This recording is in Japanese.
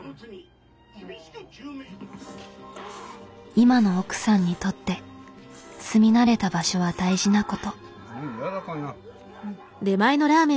今の奥さんにとって住み慣れた場所は大事なこと。